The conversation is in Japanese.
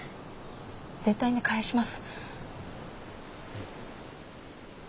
絶対に返します。